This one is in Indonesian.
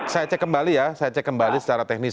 saya cek kembali ya saya cek kembali secara teknis